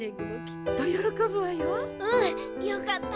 うん！よかった。